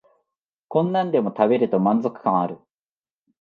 こんなんでも食べると満足感ある